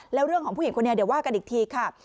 แล้วเรื่องของผู้หญิงคนนี้เดี๋ยวว่ากันอีกทีค่ะ